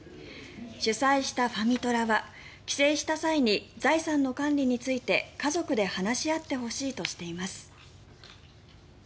主催したファミトラは帰省した際に財産の管理について家族で話し合ってほしいとしています。